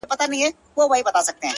• را حاضر یې کړل سویان وه که پسونه,